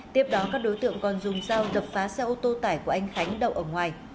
tiếp đó các đối tượng còn dùng dao đập phá xe ô tô tải của anh khánh đậu ở ngoài